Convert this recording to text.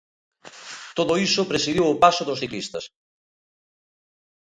Todo iso presidiu o paso dos ciclistas.